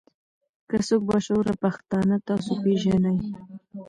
کۀ څوک با شعوره پښتانۀ تاسو پېژنئ